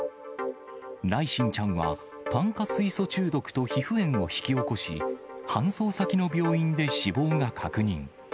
來心ちゃんは炭化水素中毒と皮膚炎を引き起こし、搬送先の病院で死亡が確認。